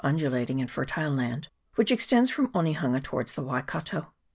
295 undulating and fertile land, which extends from Onehunga towards the Waikato.